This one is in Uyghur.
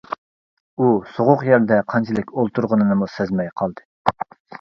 ئۇ سوغۇق يەردە قانچىلىك ئولتۇرغىنىنىمۇ سەزمەي قالدى.